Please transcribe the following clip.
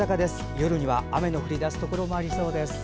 夜には雨の降りだすところもありそうです。